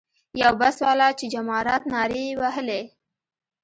یو بس والا چې جمارات نارې یې وهلې.